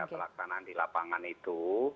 telaktanan di lapangan itu